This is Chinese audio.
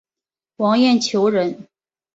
王晏球人。